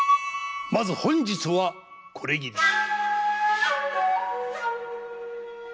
まず本日はこれぎり。